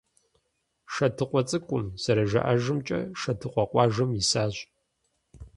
«Шэдыкъуэ цӀыкӀум», зэрыжаӀэжымкӀэ, Шэдыкъуэ къуажэ исащ.